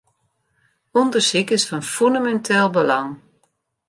Undersyk is fan fûneminteel belang.